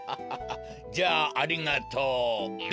じゃあありがとうべ。